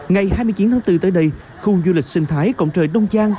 ngày hai mươi chín tháng bốn tới đây khu du lịch sinh thái cổng trời đông giang